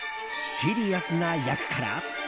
シリアスな役から。